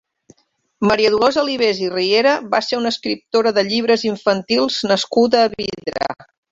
Maria Dolors Alibés i Riera va ser una escriptora de llibres infantils nascuda a Vidrà.